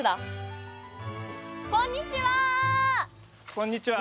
こんにちは！